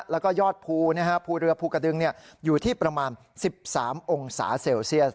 แล้วก็ยอดภูภูเรือภูกระดึงอยู่ที่ประมาณ๑๓องศาเซลเซียส